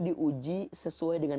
diuji sesuai dengan